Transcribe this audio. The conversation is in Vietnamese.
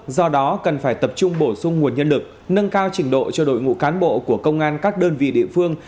do đó cần phải tập trung bổ sung nguồn nhân lực nâng cao trình độ cho đội ngũ cán bộ của công an các đơn vị địa phương